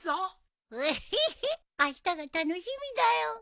ウヒヒあしたが楽しみだよ。